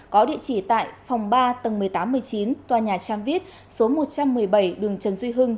có địa chỉ tại phòng ba tầng một mươi tám một mươi chín tòa nhà tramvit số một trăm một mươi bảy đường trần duy hưng